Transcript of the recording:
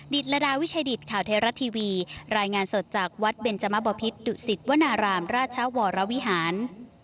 ตรดาวิชัยดิตข่าวไทยรัฐทีวีรายงานสดจากวัดเบนจมบพิษดุสิตวนารามราชวรวิหาร